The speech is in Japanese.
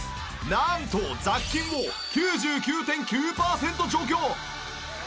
なんと雑菌も９９．９パーセント除去。